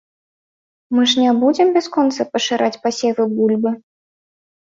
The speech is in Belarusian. Мы ж не будзем бясконца пашыраць пасевы бульбы.